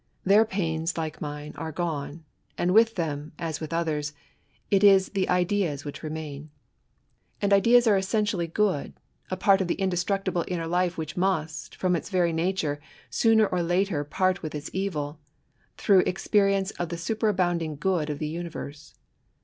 Their pains, like mine, are gone :; and with them, as with others, it is ideas which remain; and ideas are essentially good, a part of the inde^ stmctible inner life which must, from its very nature, sooner or later part with its evil, through experience of the superabounding good of the universe.